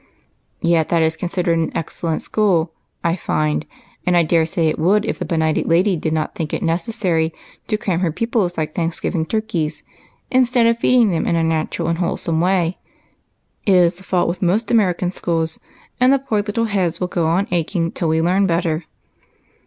" Yet that is considered an excellent school, I find, AND WHAT CAME OF IT. 87 and I dare say it would be if the benighted lady did not think it necessary to cram her pupils like Thanks giving turkeys, instead of feeding them in a natural and wholesome way. It is the fault with most Amer ican schools, and the poor little heads will go on aching till we learn better."